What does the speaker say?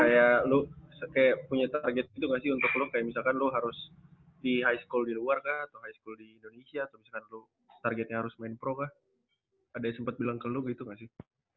kayak lo kayak punya target gitu gak sih untuk lo kayak misalkan lo harus di high school di luar kah atau high school di indonesia atau misalkan lo targetnya harus main pro ka ada yang sempat bilang ke lu gitu gak sih